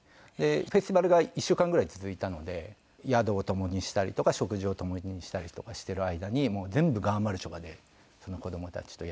フェスティバルが１週間ぐらい続いたので宿を共にしたりとか食事を共にしたりとかしてる間にもう全部「ガーマルチョバ」でその子どもたちとやり取り。